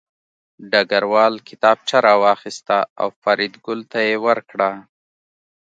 ډګروال کتابچه راواخیسته او فریدګل ته یې ورکړه